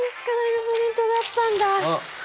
あっ。